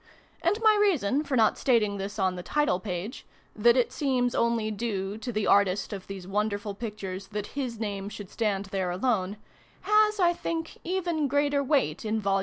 And my reason, for not stating this on the title page that it seems only due, to the artist of these wonderful pictures, that his name should stand there alone has, I think, even greater weight in Vol.